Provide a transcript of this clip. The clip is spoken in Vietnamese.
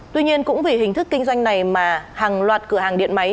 tuy nhiên cũng vì hình thức kinh doanh này mà hàng loạt cửa hàng điện máy